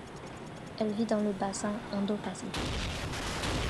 Elle vit dans le bassin Indo-Pacifique.